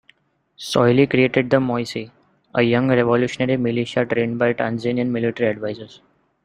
Soilih created the 'Moissy', a young revolutionary militia trained by Tanzanian military advisers..